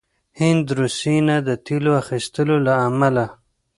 هند روسيې نه د تیلو د اخیستلو له امله